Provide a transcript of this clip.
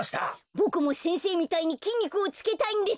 ボクも先生みたいにきんにくをつけたいんです。